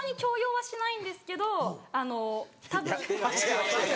はい。